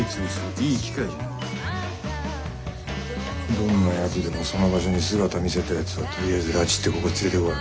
どんなやつでもその場所に姿見せたやつはとりあえず拉致ってここに連れてこい。